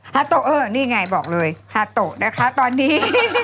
ฮาโตเออนี่ไงบอกเลยฮาโตะนะคะตอนนี้